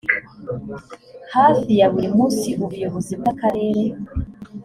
hafi ya buri munsi ubuyobozi bw akarere